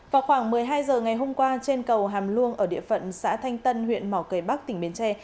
vào khoảng một mươi hai h ngày hôm qua trên cầu hàm luông ở địa phận xã thanh tân huyện mỏ cây bắc tỉnh bến tre